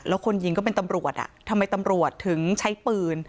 แล้วคนยิงก็เป็นตำรวจอ่ะทำไมตำรวจถึงใช้ปืน